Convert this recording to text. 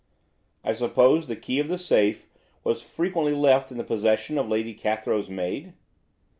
"I suppose the key of the safe was frequently left in the possession of Lady Cathrow's maid?"